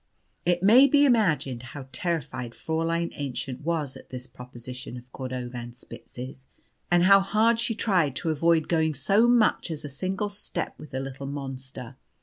It may be imagined how terrified Fräulein Aennchen was at this proposition of Cordovanspitz's, and how hard she tried to avoid going so much as a single step with the little monster.